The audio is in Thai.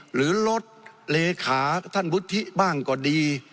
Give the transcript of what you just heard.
หรือลดเลขาท่านวุฒิบ้างก็ดี